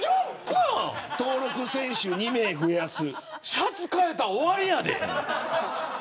シャツを替えたら終わりやで。